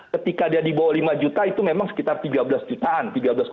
ketika dia di bawah lima juta itu memang sekitar tiga belas jutaan